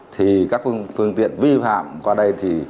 thì các phương tiện vi phạm qua đây thì